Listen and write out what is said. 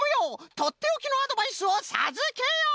とっておきのアドバイスをさずけよう！